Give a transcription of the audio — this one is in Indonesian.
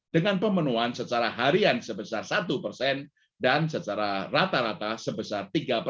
dengan pemenuhan secara harian sebesar satu persen dan secara rata rata sebesar tiga empat